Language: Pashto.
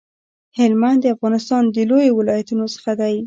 هلمند د افغانستان د لویو ولایتونو څخه دی